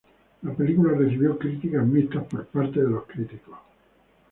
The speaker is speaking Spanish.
La película recibió críticas mixtas por parte de los críticos.